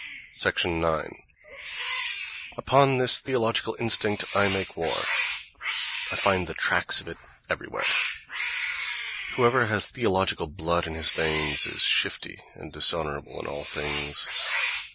9. Upon this theological instinct I make war: I find the tracks of it everywhere. Whoever has theological blood in his veins is shifty and dishonourable in all things.